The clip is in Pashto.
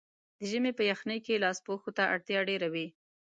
د ژمي په یخنۍ کې لاسپوښو ته اړتیا ډېره وي.